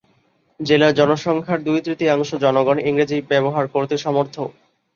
জেলার জনসংখ্যার দুই-তৃতীয়াংশ জনগণ ইংরেজি ব্যবহার করতে সমর্থ।